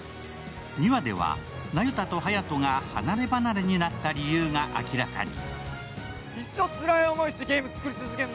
２話では那由他と隼人が離れ離れになった理由が明らかに。